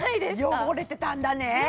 汚れてたんだね